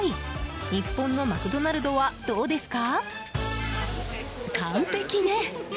日本のマクドナルドはどうですか？